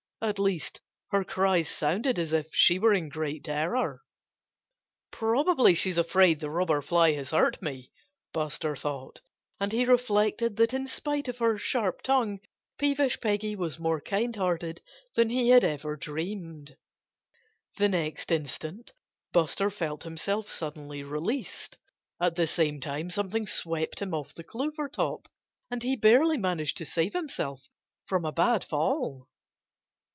At least, her cries sounded as if she were in great terror. Probably she's afraid the Robber Fly has hurt me, Buster thought. And he reflected that in spite of her sharp tongue Peevish Peggy was more kind hearted than he had ever dreamed. The next instant Buster felt himself suddenly released. At the same time something swept him off the clover top; and he barely managed to save himself from a bad fall.